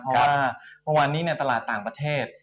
เพราะว่าเมื่อวานนี้ในตลาดต่างประเทศ